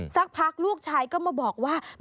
สักพักลูกชายก็มาบอกว่า